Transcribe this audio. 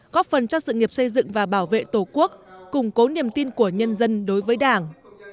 góp phần cho sự nghiệp xây dựng và bảo vệ tổ quốc củng cố niềm tin của nhân dân đối với đảng